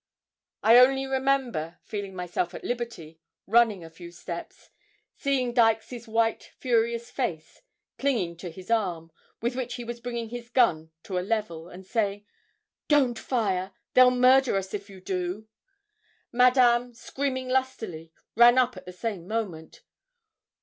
I only remember, feeling myself at liberty running a few steps seeing Dykes' white furious face clinging to his arm, with which he was bringing his gun to a level, and saying, 'Don't fire they'll murder us if you do.' Madame, screaming lustily, ran up at the same moment.